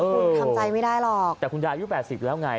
เออคุณทำใจไม่ได้หรอกแต่คุณยายอยู่แปดสิบแล้วไง